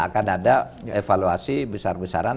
akan ada evaluasi besar besaran